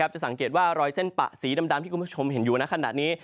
จะสังเกตว่ารอยเส้นปะสีดำที่คุณผู้ชมเห็นอยู่ในขณะนี้